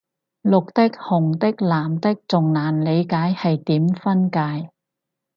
綠的紅的藍的仲難理解係點分界